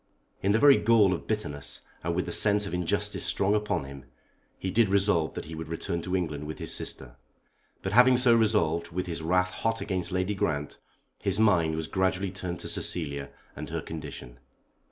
In the very gall of bitterness, and with the sense of injustice strong upon him, he did resolve that he would return to England with his sister. But having so resolved, with his wrath hot against Lady Grant, his mind was gradually turned to Cecilia and her condition.